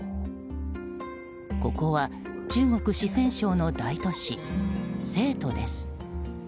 ここは中国・四川省の大都市成都です。